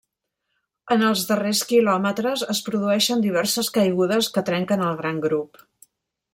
En els darrers quilòmetres es produeixen diverses caigudes que trenquen el gran grup.